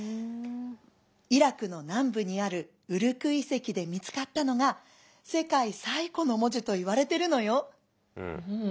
イラクの南部にあるウルク遺跡で見つかったのが世界最古の文字といわれてるのよ。